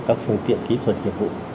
các phương tiện kỹ thuật hiệp vụ